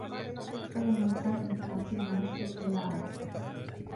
خير مرآة ترى فيها نفسك هي عملك.